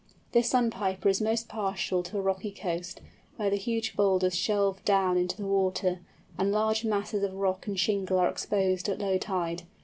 This Sandpiper is most partial to a rocky coast, where the huge boulders shelve down into the water, and large masses of rock and shingle are exposed at low tide.